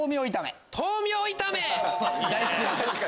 大好きなんです。